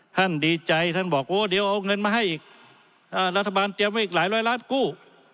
ดีใจท่านบอกโอ้เดี๋ยวเอาเงินมาให้อีกรัฐบาลเตรียมไว้อีกหลายร้อยล้านกู้